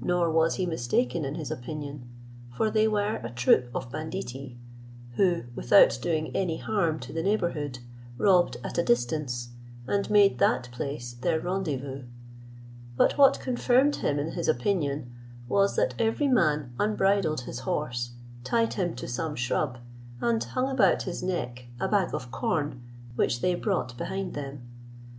Nor was he mistaken in his opinion: for they were a troop of banditti, who, without doing any harm to the neighbourhood, robbed at a distance, and made that place their rendezvous; but what confirmed him in his opinion was, that every man unbridled his horse, tied him to some shrub, and hung about his neck a bag of corn which they brought behind them.